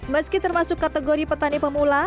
meski termasuk kategori petani pemula